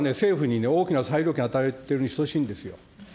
すごくこれは政府に大きな裁量権を与えてるに等しいんですよ。